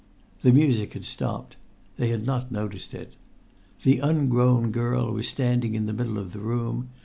The music had stopped. They had not noticed it. The ungrown girl was standing in the middle of the room.